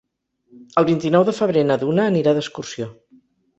El vint-i-nou de febrer na Duna anirà d'excursió.